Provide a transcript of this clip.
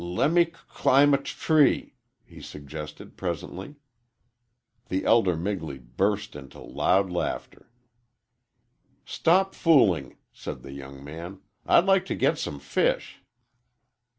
"Le' me c climb a t tree," he suggested, presently. The elder Migley burst into loud laughter. "Stop fooling!" said the young man. "I'd like to get some fish."